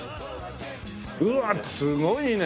うわあすごいね！